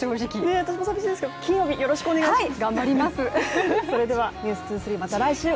私も寂しいですが、金曜日よろしくお願いします。